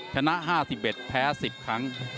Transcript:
ชนะ๕๑แพ้๑๐ครั้ง